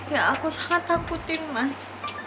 ya aku sangat takutin mas